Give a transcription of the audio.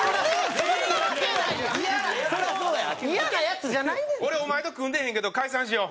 西森：俺、お前で組んでへんけど解散しよう。